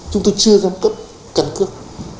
chúng tôi chưa giao cấp căn cước